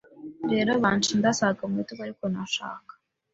rero banca indasago mu bitugu ariko nashaka